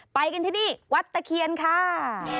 ไปกันที่นี่วัดตะเคียนค่ะ